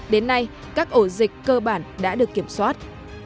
đến nay các ổ dịch cơ bản đã được kiểm soát